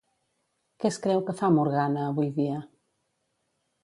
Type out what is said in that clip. Què es creu que fa Morgana avui dia?